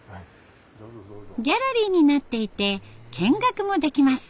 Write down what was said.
ギャラリーになっていて見学もできます。